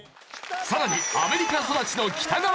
さらにアメリカ育ちの北川悠理。